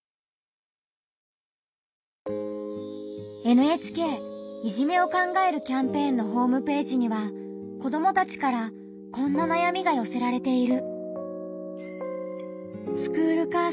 ＮＨＫ「いじめを考えるキャンペーン」のホームページには子どもたちからこんななやみがよせられている。